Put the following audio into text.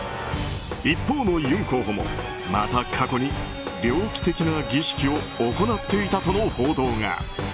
一方のユン候補もまた過去に猟奇的な儀式を行っていたとの報道が。